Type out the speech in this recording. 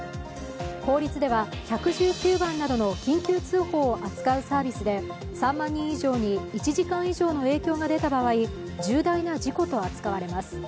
法律では１１９番などの緊急通報を扱うサービスで３万人以上に１時間以上の影響が出た場合重大な事故と扱われます。